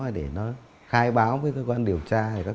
để nó khai báo với cơ quan điều tra